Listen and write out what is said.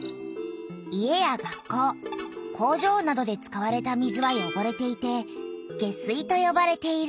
家や学校工場などで使われた水はよごれていて「下水」とよばれている。